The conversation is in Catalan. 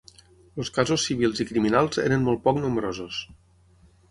Els casos civils i criminals eren molt poc nombrosos.